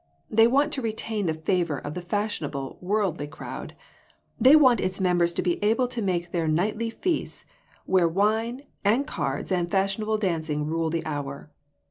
They want to retain the favor of the fashionable, worldly crowd. They want its members to be able to make their nightly feasts, where wine, and cards, and fashion able dancing rule the hour.